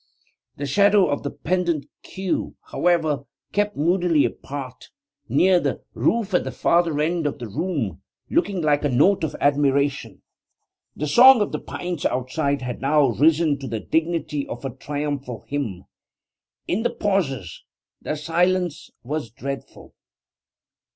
The shadow of the pendent queue, however, kept moodily apart, near the roof at the farther end of the room, looking like a note of admiration. The song of the pines outside had now risen to the dignity of a triumphal hymn. In the pauses the silence was dreadful.